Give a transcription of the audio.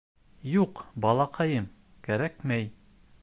— Юҡ, балаҡайым, кәрәкмәй!